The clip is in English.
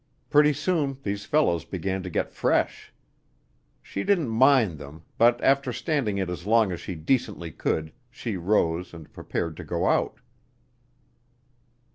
Pretty soon these fellows began to get fresh. She didn't mind them, but after standing it as long as she decently could, she rose and prepared to go out.